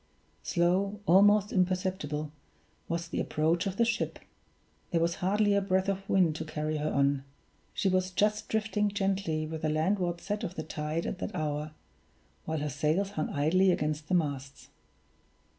Slow, almost imperceptible, was the approach of the ship there was hardly a breath of wind to carry her on she was just drifting gently with the landward set of the tide at that hour, while her sails hung idly against the masts.